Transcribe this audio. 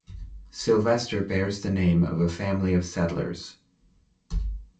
Sylvester bears the name of a family of settlers.